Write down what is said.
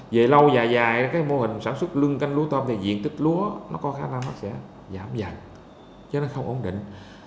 về lâu dài dài cái mô hình sản xuất lưng canh lúa tôm thì diện tích lúa nó có khả năng nó sẽ giảm dần chứ nó không ổn định